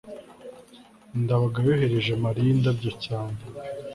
ndabaga yohereje mariya indabyo cyane